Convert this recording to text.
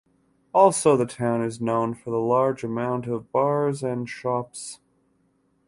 Also the town is known for the large amount of bars and shops.